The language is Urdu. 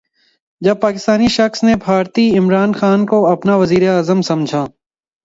جب پاکستانی شخص نے بھارتی عمران خان کو اپنا وزیراعظم سمجھا